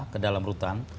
ke dalam rutan